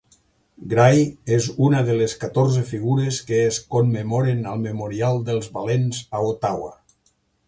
Gray és una de les catorze figures que es commemoren al Memorial dels valents a Ottawa.